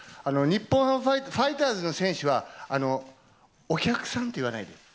日本ハムファイターズの選手は、お客さんと言わないで。